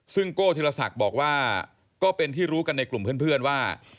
ซึ่งโก้ธิรศักดิ์บอกว่าก็เป็นที่รู้กันในกลุ่มเพื่อนว่า